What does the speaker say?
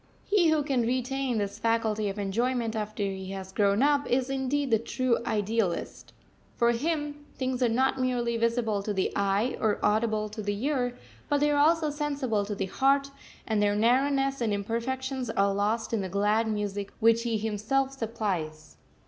He who can retain this faculty of enjoyment after he has grown up, is indeed the true Idealist. For him things are not merely visible to the eye or audible to the ear, but they are also sensible to the heart, and their narrowness and imperfections are lost in the glad music which he himself supplies.